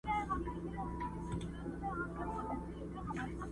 o هره ورځ اختر نه دئ، چي وريجي غوښي وخورې٫